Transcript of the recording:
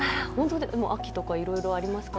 でも秋とかいろいろありますからね。